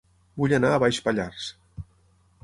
Vull anar a Baix Pallars